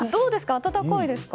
温かいですか？